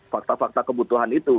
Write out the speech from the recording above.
fakta fakta kebutuhan itu